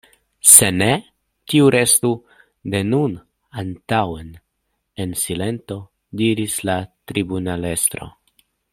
Se ne, tiu restu de nun antaŭen en silento, diris la tribunalestro.